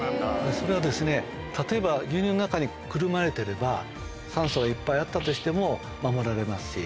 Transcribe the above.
それは例えば牛乳の中にくるまれてれば酸素がいっぱいあったとしても守られますし。